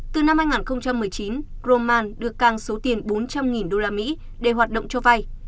từ năm hai nghìn một mươi chín roman đưa cang số tiền bốn trăm linh usd để hoạt động cho vay